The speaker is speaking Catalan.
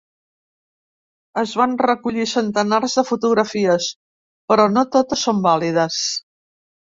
Es van recollir centenars de fotografies, però no totes són vàlides.